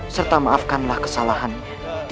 serta maafkanlah kesalahannya